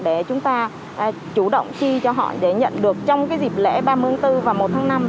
để chúng ta chủ động chi cho họ để nhận được trong dịp lễ ba mươi bốn và một tháng năm